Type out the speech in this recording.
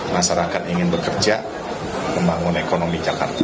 masyarakat ingin bekerja membangun ekonomi jakarta